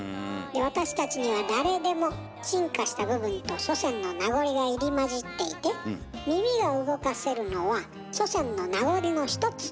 私たちには誰でも進化した部分と祖先の名残が入り交じっていて耳が動かせるのは祖先の名残の一つ。